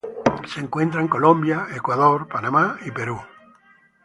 Se encuentra en Colombia, Ecuador, Panamá y Perú.